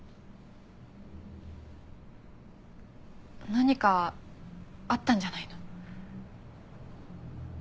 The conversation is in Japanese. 何かあったんじゃないの？